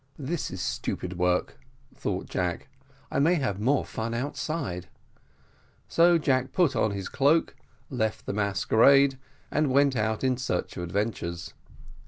"This is stupid work," thought Jack, "I may have more fun outside:" so Jack put on his cloak, left the masquerade, and went out in search of adventures.